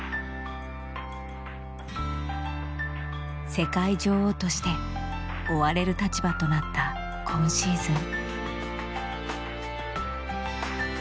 世界女王として追われる立場となった今シーズン。